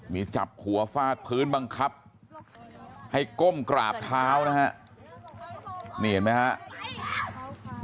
มีจับหัวฟาดพื้นบังคับให้ก้มกราบเท้านะฮะนี่เห็นไหมครับ